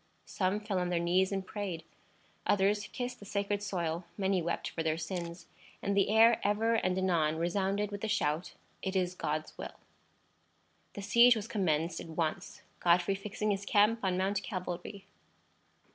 Some fell on their knees and prayed; others kissed the sacred soil; many wept for their sins; and the air ever and anon resounded with the shout: "It is God's will!" The siege was commenced at once, Godfrey fixing his camp on Mount Calvary.